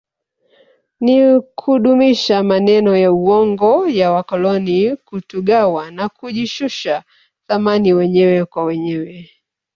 Ni kudumisha maneno ya uongo ya wakoloni kutugawa na kujishusha thamani wenyewe kwa wenyewe